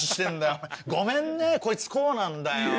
お前ごめんねこいつこうなんだよ。